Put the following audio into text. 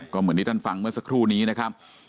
ก็เหมือนที่ท่านฟังเมื่อสักครู่นี้นะครับ